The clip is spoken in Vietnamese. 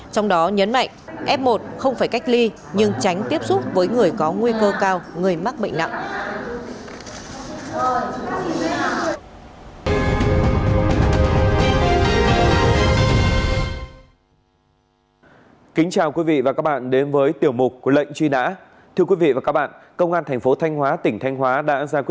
trong đó nhấn mạnh f một không phải cách ly nhưng tránh tiếp xúc với người có nguy cơ cao người mắc bệnh nặng